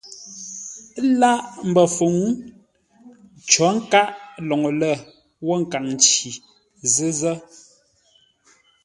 Lâʼ mbəfuŋ cǒ nkâʼ LÔŊLƏ wə́ nkaŋ nci Zʉ́zə́.